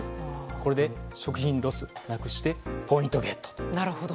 これで食品ロスをなくしてポイントゲットと。